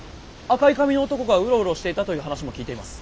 赤い髪の男がうろうろしていたという話も聞いています。